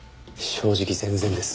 正直全然です。